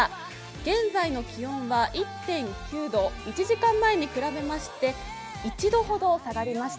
現在の気温は、１．９度１時間前に比べまして１度ほど下がりました。